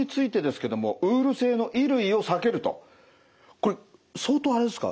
これ相当あれですか。